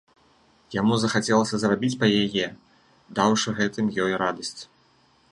Яму захацелася зрабіць па яе, даўшы гэтым ёй радасць.